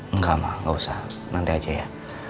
enggak ma enggak usah nanti aja ya